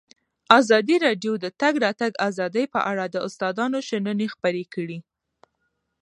ازادي راډیو د د تګ راتګ ازادي په اړه د استادانو شننې خپرې کړي.